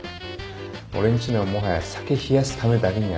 俺んちのもはや酒冷やすためだけにあるけん。